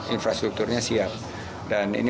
infrastrukturnya siap dan ini